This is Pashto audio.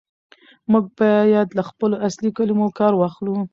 موږ بايد له خپلو اصلي کلمو کار واخلو.